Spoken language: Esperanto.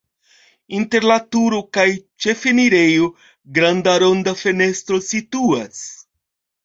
Inter la turo kaj ĉefenirejo granda ronda fenestro situas.